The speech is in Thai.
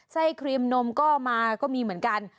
ครีมนมก็มาก็มีเหมือนกัน